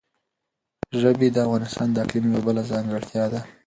ژبې د افغانستان د اقلیم یوه بله ځانګړتیا ده.